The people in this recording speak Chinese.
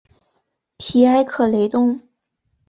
皮埃克雷东。